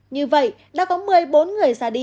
như vậy đã có một mươi bốn người già đi